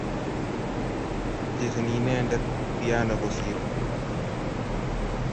Chezani inendet pianoit kosiiro